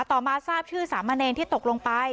ต่อมาทราบชื่อสามเณรที่ตกลงไป